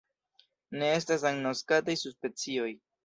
Ne estas agnoskataj subspecioj.